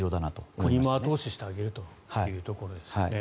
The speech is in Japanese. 国も後押ししてあげるということですね。